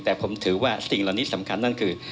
แต่ผมถือว่าสิ่งเหล่านี้สำคัญนั่นคือ